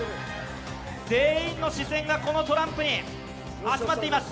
全員の視線が、このトランプに集まっています。